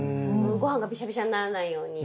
ごはんがびしゃびしゃにならないように。